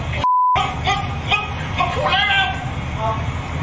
ค้นทุกคนเอ้อกว้าว